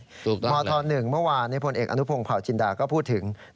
หมอธหนึ่งเมื่อวานพลออนุภงภรรย์ชินดาก็พูดถึง